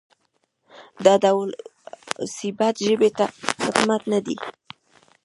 دا ډول عصبیت ژبې ته خدمت نه دی.